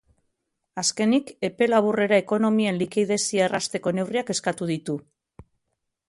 Azkenik, epe laburrera ekonomien likidezia errazteko neurriak eskatu ditu.